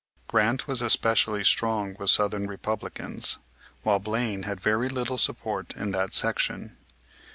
Grant was especially strong with southern Republicans, while Blaine had very little support in that section.